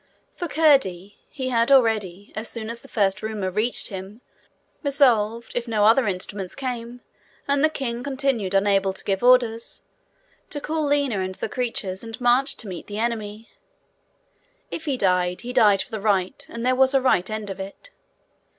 For Curdie, he had already, as soon as the first rumour reached him, resolved, if no other instructions came, and the king continued unable to give orders, to call Lina and the creatures, and march to meet the enemy. If he died, he died for the right, and there was a right end of it.